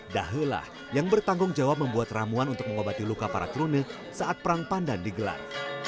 dahilah yang bertanggung jawab membuat ramuan untuk mengobati luka para krunei saat perang pandan digelar